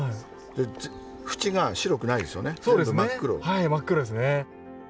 はい真っ黒ですね。